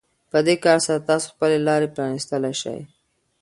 په دې کار سره تاسو خپلې لارې پرانيستلی شئ.